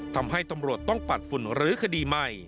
ทำให้ตำรวจต้องปัดฝุ่นรื้อคดีใหม่